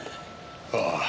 ああ。